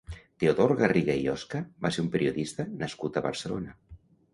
Teodor Garriga i Osca va ser un periodista nascut a Barcelona.